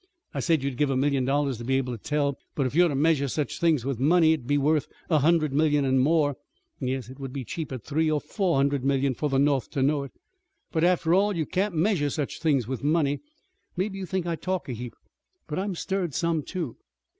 I said you'd give a million dollars to be able to tell, but if you're to measure such things with money it would be worth a hundred million an' more, yes, it would be cheap at three or four hundred millions for the North to know it. But, after all, you can't measure such things with money. Maybe you think I talk a heap, but I'm stirred some, too."